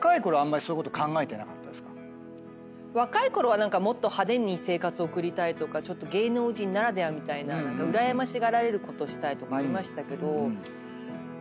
若いころは何かもっと派手に生活を送りたいとかちょっと芸能人ならではみたいなうらやましがられることをしたいとかありましたけどそれもなくなってきましたね。